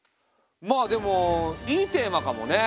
まあでもいいテーマかもね。